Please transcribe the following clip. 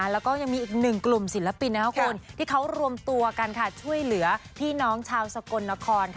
แล้วก็ยังมีอีกหนึ่งกลุ่มศิลปินที่เขารวมตัวกันค่ะช่วยเหลือพี่น้องชาวสกลนคร